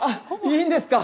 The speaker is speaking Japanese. いいんですか？